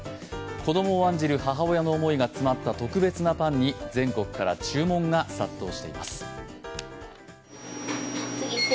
子供を案じる母親の思いが詰まった特別なパンに全国から注文が殺到しています。